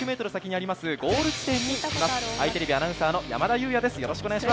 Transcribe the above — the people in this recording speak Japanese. あいテレビアナウンサーの山田祐也です。